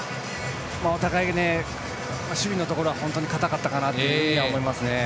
お互い、守備のところは堅かったと思います。